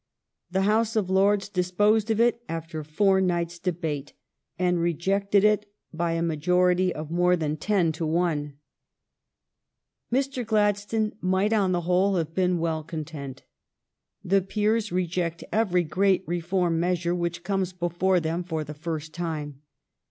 The House of Lords disposed of it after four nights' debate, and rejected it by a majority of THE LONG DAY^S TASK IS DONE" 383 more than ten to one. Mr. Gladstone might, on the whole, have been well content. The peers reject every great reform measure which comes before them for the first time.